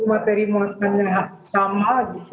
materi materi yang sama